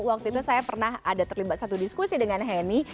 waktu itu saya pernah ada terlibat satu diskusi dengan henny